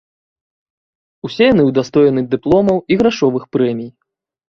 Усе яны ўдастоены дыпломаў і грашовых прэмій.